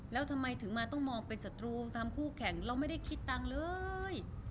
แล้วทำไมถึงมาต้องมองเป็นศัตรูตามคู่แข่งเราไม่ได้คิดตังค์เลย